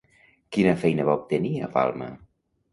Quina feina va obtenir a Palma?